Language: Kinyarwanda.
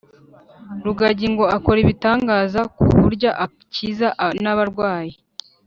Rugagi ngo akora ibitangaza kuburya akiza n’abarwayi